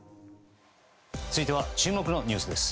続いては注目のニュースです。